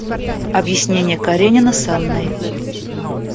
Объяснение Каренина с Анной.